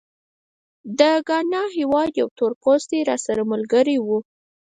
د ګانا هېواد یو تورپوستی راسره ملګری و.